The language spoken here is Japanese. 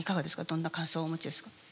どんな感想をお持ちですか？